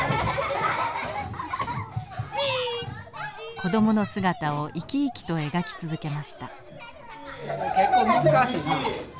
子供の姿を生き生きと描き続けました。